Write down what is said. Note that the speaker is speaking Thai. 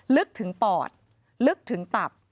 ลึกถึงปอดลึกถึงตับ